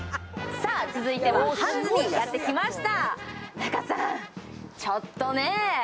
続いてはハンズにやってきました。